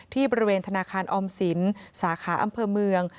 ที่บริเวณธนาคารออมสินสาขาอำเภอเมือง